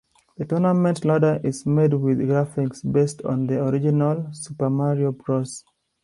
The tournament ladder is made with graphics based on the original "Super Mario Bros.".